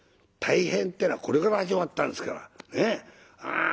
「たいへん」っていうのはこれから始まったんですから。